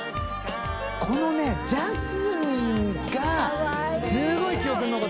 このねジャスミンがすごい記憶に残って。